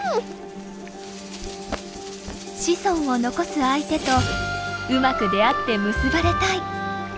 子孫を残す相手とうまく出会って結ばれたい！